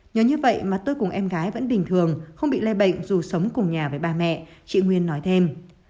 nhớ như vậy mà tôi cùng em gái vẫn bình thường không bị lây bệnh dù sống cùng nhà với bà mẹ chị nguyên nói thêm